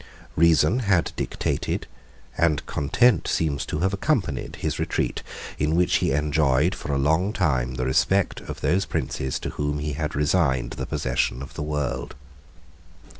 Reason had dictated, and content seems to have accompanied, his retreat, in which he enjoyed, for a long time, the respect of those princes to whom he had resigned the possession of the world.